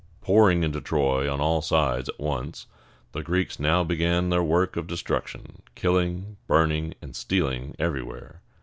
Pouring into Troy on all sides at once, the Greeks now began their work of destruction, killing, burning, and stealing everywhere.